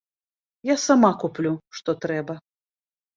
Я сама куплю, што трэба.